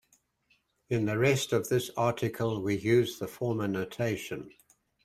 In the rest of this article we use the former notation.